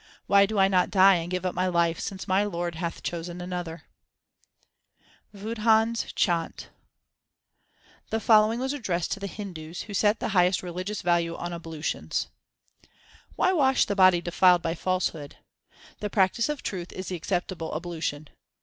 Why do I not die and give up my life since my Lord hath chosen another ? WADHANS CHHANT The following was addressed to the Hindus, who set the highest religious value on ablutions : Why wash the body defiled by falsehood ? The practice of truth is the acceptable ablution.